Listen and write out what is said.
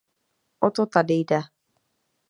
O to tady jde.